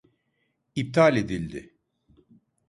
İptal edildi.